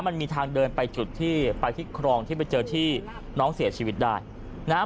มันมีทางเดินไปจุดที่ไปที่ครองที่ไปเจอที่น้องเสียชีวิตได้นะฮะ